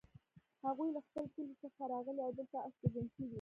هغوی له خپل کلي څخه راغلي او دلته استوګن شوي